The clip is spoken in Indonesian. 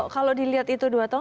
kalau dilihat itu dua tahun